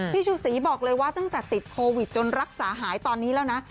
ชูศรีบอกเลยว่าตั้งแต่ติดโควิดจนรักษาหายตอนนี้แล้วนะ